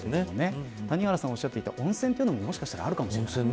谷原さんがおっしゃっていた温泉も、もしかしたらあるかもしれません。